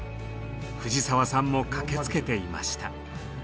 藤澤さんも駆けつけていました。